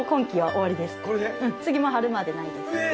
次の春までないです。